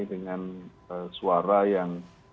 dengan suara yang